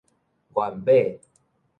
原碼